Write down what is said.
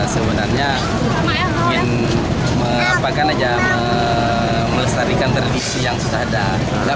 sebenarnya ingin melestarikan tradisi yang sudah ada